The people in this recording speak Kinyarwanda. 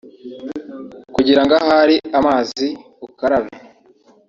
Kugira ngo ahari amazi ukarabe